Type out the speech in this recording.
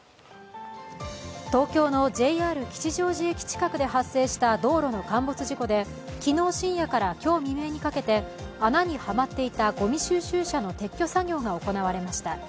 東京のＪＲ吉祥寺駅近くで発生した道路の陥没事故で昨日深夜から今日未明にかけて穴にはまっていたごみ収集車の撤去作業が行われました。